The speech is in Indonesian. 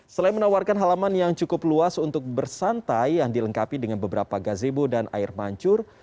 selain menawarkan halaman yang cukup luas untuk bersantai yang dilengkapi dengan beberapa gazebo dan air mancur